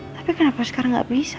tapi kenapa sekarang gak bisa ya